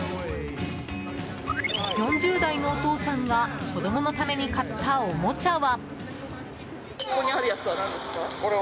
４０代のお父さんが子供のために買ったおもちゃは。